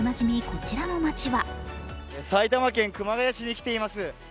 こちらの街は埼玉県熊谷市に来ています。